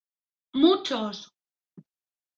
¡ muchos!